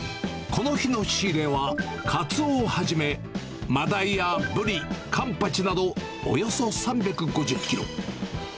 この日の仕入れは、カツオをはじめ、マダイやブリ、カンパチなど、およそ３５０キロ。